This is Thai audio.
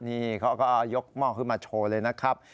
นี่เขาก็ยกหม้อขึ้นมาโชว์เลยนะครับ